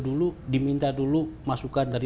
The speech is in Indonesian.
dulu diminta dulu masukan dari